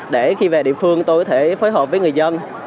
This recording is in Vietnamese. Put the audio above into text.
để khi về địa phương tôi có thể phối hợp với người dân